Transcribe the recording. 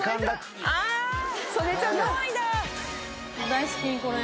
大好きこれ。